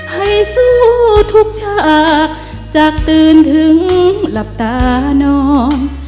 ให้สู้ทุกฉากจากตื่นถึงหลับตาน้อง